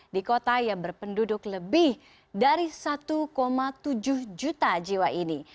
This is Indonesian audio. di kota yang berpenduduk lebih dari satu tujuh juta jiwa ini